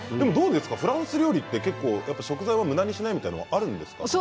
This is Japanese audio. フランス料理は食材をむだにしないみたいなことはあるんですか？